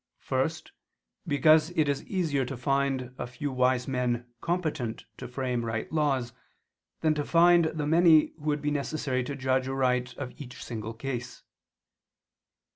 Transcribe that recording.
First, because it is easier to find a few wise men competent to frame right laws, than to find the many who would be necessary to judge aright of each single case.